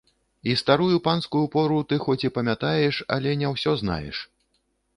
І старую панскую пору ты хоць і памятаеш, але не ўсё знаеш.